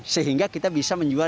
sehingga kita bisa menjual